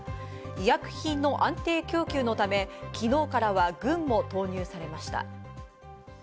医薬品の安定供給のため昨日から軍も投入されました。